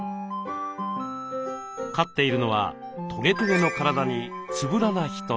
飼っているのはトゲトゲの体につぶらな瞳。